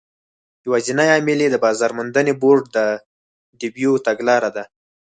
یوازینی عامل یې د بازار موندنې بورډ د بیو تګلاره ده.